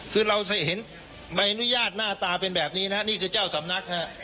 คือเราจะเห็นใบอนุญาตหน้าตาเป็นแบบนี้นะฮะนี่คือเจ้าสำนักนะฮะ